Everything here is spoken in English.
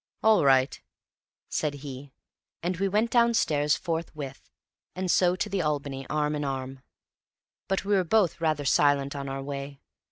"All right," said he; and we went downstairs forthwith, and so to the Albany arm in arm. But we were both rather silent on our way.